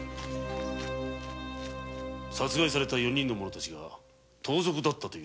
殺害された四人の者たちが盗賊だったと？